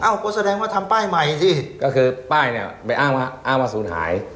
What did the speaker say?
ก็แสดงว่าทำป้ายใหม่สิก็คือป้ายเนี่ยไปอ้างว่าอ้างว่าศูนย์หาย